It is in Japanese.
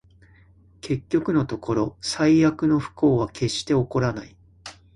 結局のところ、最悪の不幸は決して起こらない